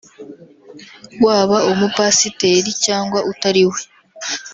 waba umupasiteri cyangwa utari we